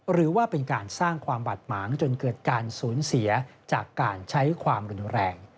หรือว่าเป็นการสร้างความบาดหมางจนเกิดการสูญเสียจากการใช้ความรุนแรง